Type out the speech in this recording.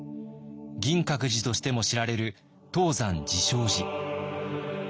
銀閣寺としても知られる東山慈照寺。